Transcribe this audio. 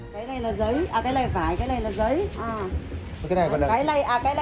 với đủ loại hộp vỏ mẫu mã khác nhau